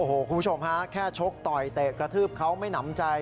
โอ้โหคุณผู้ชมฮะแค่ชกต่อยเตะกระทืบเขาไม่หนำใจ